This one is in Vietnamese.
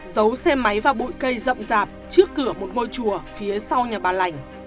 dấu xe máy và bụi cây rậm rạp trước cửa một ngôi chùa phía sau nhà bà lảnh